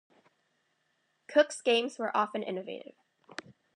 Cooke's games were often innovative.